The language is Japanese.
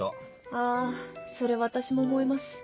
あそれ私も思います。